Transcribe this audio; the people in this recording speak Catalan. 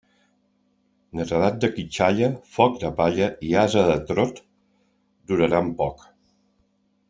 Netedat de quitxalla, foc de palla i ase de trot duraran poc.